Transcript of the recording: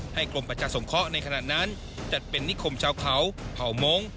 กรมประชาสงเคราะห์ในขณะนั้นจัดเป็นนิคมชาวเขาเผ่ามงค์